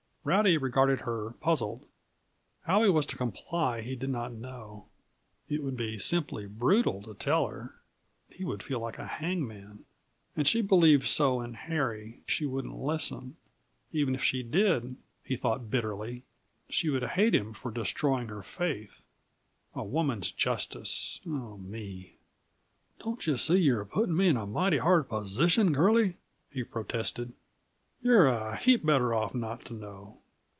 Rowdy regarded her, puzzled. How he was to comply he did not know. It would be simply brutal to tell her. He would feel like a hangman. And she believed so in Harry, she wouldn't listen; even if she did, he thought bitterly, she would hate him for destroying her faith. A woman's justice ah, me! "Don't you see you're putting me in a mighty hard position, girlie?" he protested. "You're a heap better off not to know.